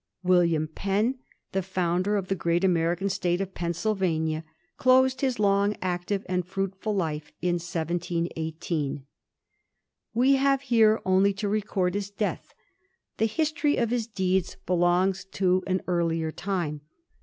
William Perm, the founder of the great American State of Pennsylvania, closed his long active and firuitful life in 1718. We have here only to record his death ; the history of his deeds belongs to an earlier time.